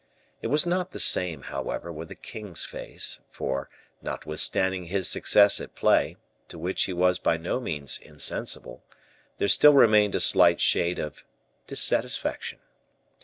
It was not the same, however, with the king's face; for, notwithstanding his success at play, to which he was by no means insensible, there still remained a slight shade of dissatisfaction.